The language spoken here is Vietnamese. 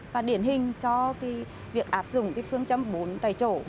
và điển hình cho cái việc áp dụng cái phương châm bốn tài chỗ